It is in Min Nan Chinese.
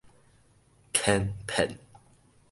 乾片